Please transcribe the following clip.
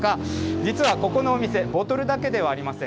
実はここのお店、ボトルだけではありません。